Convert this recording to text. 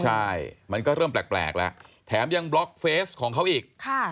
ใช่มันก็เริ่มแปลกแล้วแถมยังบล็อกเฟสของเขาอีก